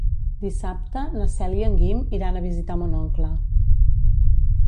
Dissabte na Cel i en Guim iran a visitar mon oncle.